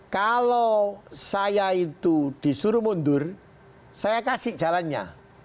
kalau saya itu disuruh mundur saya kasih jalannya